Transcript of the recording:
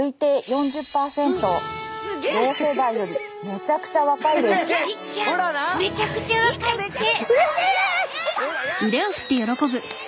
めちゃくちゃ若いって！